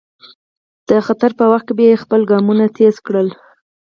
د خطر په وخت کې به یې خپل ګامونه تېز کړل.